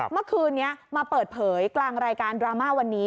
เมื่อคืนนี้มาเปิดเผยกลางรายการดราม่าวันนี้